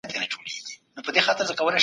څېړونکي نوي حقایق لټوي.